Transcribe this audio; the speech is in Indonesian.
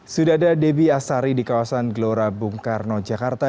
sudah ada debbie asari di kawasan gelora bung karno jakarta